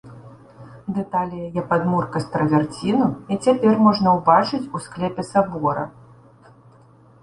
Дэталі яе падмурка з траверціну і цяпер можна ўбачыць у склепе сабора.